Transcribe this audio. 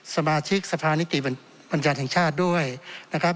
สมาชิกสภานิติบัญญัติแห่งชาติด้วยนะครับ